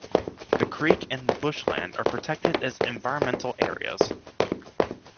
The creek and the bushland are protected as environmental areas.